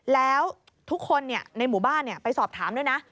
แล้วทุกคนในหมู่บ้านไปสอบถามด้วยนะ